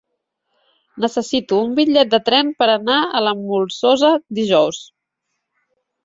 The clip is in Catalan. Necessito un bitllet de tren per anar a la Molsosa dijous.